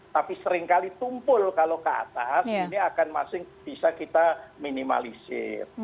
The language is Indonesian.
tapi seringkali tumpul kalau ke atas ini akan masih bisa kita minimalisir